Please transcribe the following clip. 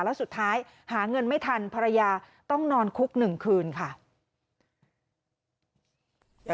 แล้วสุดท้ายหาเงินไม่ทันภรรยาต้องนอนคุก๑คืนค่ะ